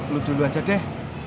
lo dulu aja deh